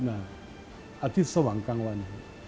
อาทิตย์สว่างกลางวัน